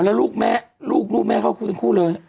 แล้วลูกแม่เข้าคุกเลย